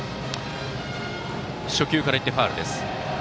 初球からいってファウル。